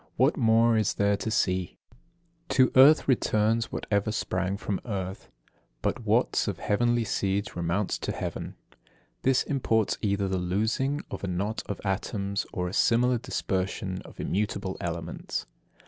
What more is there to see? 50. To earth returns whatever sprang from earth, But what's of heavenly seed remounts to heaven. This imports either the loosing of a knot of atoms, or a similar dispersion of immutable elements.